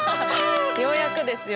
ようやくですよ。